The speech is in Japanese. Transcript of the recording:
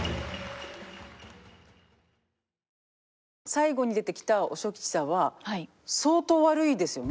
最後に出てきた和尚吉三は相当ワルいですよね。